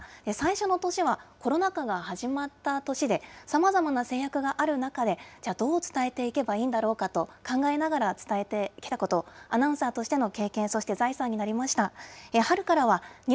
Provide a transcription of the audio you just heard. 最初の年はコロナ禍が始まった年で、さまざまな制約がある中で、どう伝えていけばいいんだろうかと考えながら伝えてきたこと、アナウンサーとしての経験、そして財産になりました。